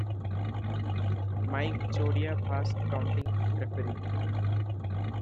Mike Chioda- Fast-counting referee.